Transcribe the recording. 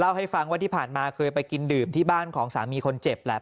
ให้ฟังว่าที่ผ่านมาเคยไปกินดื่มที่บ้านของสามีคนเจ็บแหละ